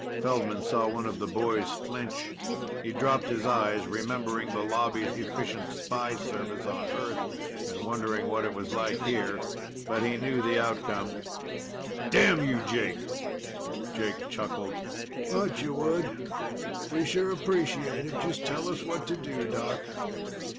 Feldman saw one of the boys flinch. He dropped his eyes, remembering the Lobby's efficient spy service on Earth and wondering what it was like here. But he knew the outcome. "Damn you, Jake!" Jake chuckled. "Thought you would. We sure appreciate it. Just tell us what to do, Doc."